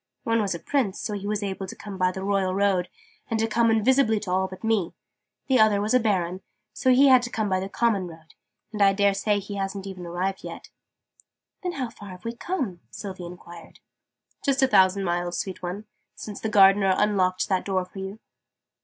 One was a Prince; so he was able to come by the Royal Road, and to come invisibly to all but me: the other was a Baron; so he had to come by the common road, and I dare say he hasn't even arrived yet." "Then how far have we come?" Sylvie enquired. "Just a thousand miles, sweet one, since the Gardener unlocked that door for you."